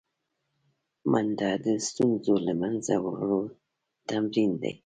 منډه د ستونزو له منځه وړو تمرین دی